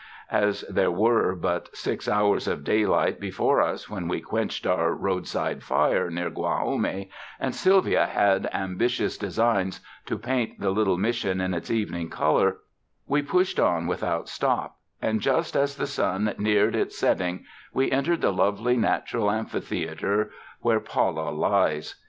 As there were but six hours of daylight before us when we quenched our road 130 SPRING DAYS IN A CARRIAGE side firo near Guajome, and Sylvia had ambitious designs to jjaint the little Mission in its evening color, we pushed on without stop, and just as the sun neared its setting we entered the lovely natural amphitheater where Pala lies.